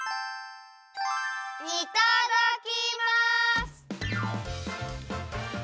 いただきます！